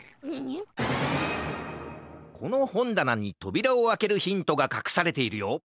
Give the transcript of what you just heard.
なにとびらをあけるヒントがかくされているよ。